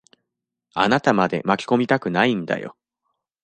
あなたまで巻き込みたくないんだよ。